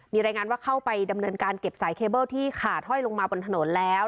มีรายงานว่าเข้าไปดำเนินการเก็บสายเคเบิ้ลที่ขาดห้อยลงมาบนถนนแล้ว